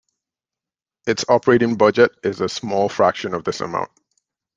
Its operating budget is a small fraction of this amount.